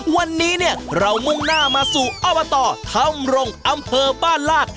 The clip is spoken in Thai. วันนี้เนี่ยเรามุ่งหน้ามาสู่อบตถ้ำรงอำเภอบ้านลาด